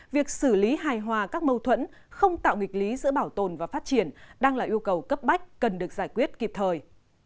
việc xử lý hài hòa các mâu thuẫn không tạo nghịch lý giữa bảo tồn và phát triển đang là yêu cầu cấp bách cần được giải quyết kịp thời